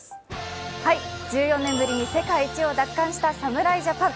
１４年ぶりに世界一を奪還した侍ジャパン。